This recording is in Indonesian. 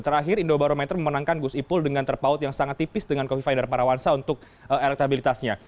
terakhir indobarometer memenangkan gus ipul dengan terpaut yang sangat tipis dengan kofifa indar parawansa untuk elektabilitasnya